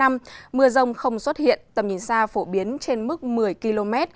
mưa rông không xuất hiện tầm nhìn xa phổ biến trên mức một mươi km